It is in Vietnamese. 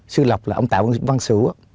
sư lộc là ông tạo văn sửu